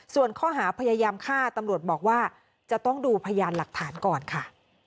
ส่วนข้อหาพยายามฆ่าตำรวจบอกว่าจะต้องดูพยานหลักฐานก่อนค่ะ